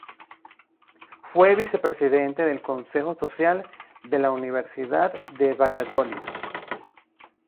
Fue Vicepresidente del Consejo Social de la Universidad de Valladolid.